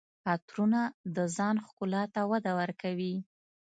عطرونه د ځان ښکلا ته وده ورکوي.